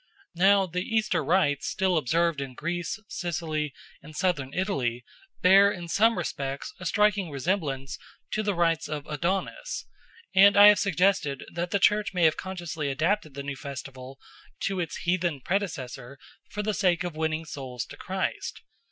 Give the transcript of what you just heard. Now the Easter rites still observed in Greece, Sicily, and Southern Italy bear in some respects a striking resemblance to the rites of Adonis, and I have suggested that the Church may have consciously adapted the new festival to its heathen predecessor for the sake of winning souls to Christ.